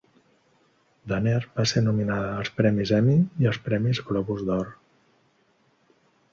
Danner va ser nominada als Premis Emmy i als Premis Globus d'Or.